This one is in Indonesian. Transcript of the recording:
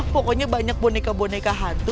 pokoknya banyak boneka boneka hantu